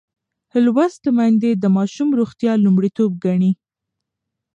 لوستې میندې د ماشوم روغتیا لومړیتوب ګڼي.